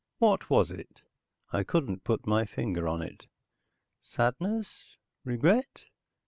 What was it? I couldn't put my finger on it. Sadness? Regret?